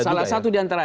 salah satu di antara